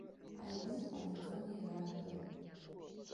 Аҩы иҟанаҵон иара атәы.